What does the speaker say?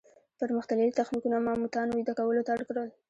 پرمختللي تخنیکونه ماموتان ویده کولو ته اړ کړل.